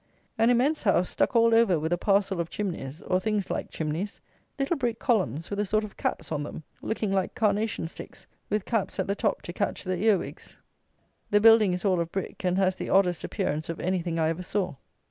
An immense house stuck all over with a parcel of chimneys, or things like chimneys; little brick columns, with a sort of caps on them, looking like carnation sticks, with caps at the top to catch the earwigs. The building is all of brick, and has the oddest appearance of anything I ever saw.